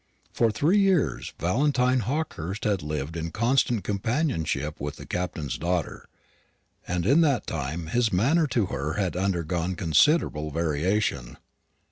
For three years Valentine Hawkehurst had lived in constant companionship with the Captain's daughter; and in that time his manner to her had undergone considerable variation.